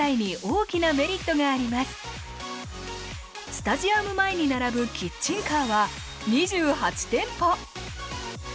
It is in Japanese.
スタジアム前に並ぶキッチンカーは２８店舗！